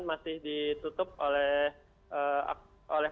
masih ditutup oleh